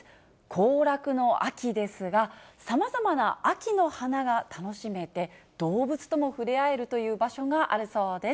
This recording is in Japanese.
行楽の秋ですが、さまざまな秋の花が楽しめて、動物とも触れ合えるという場所があるそうです。